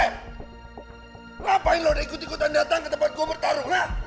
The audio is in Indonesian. ngapain lo udah ikut ikutan datang ke tempat gue bertarung ha